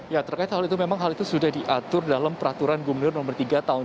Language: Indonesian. ya terkait hal itu memang hal itu sudah diatur dalam peraturan gubernur nomor tiga tahun dua ribu dua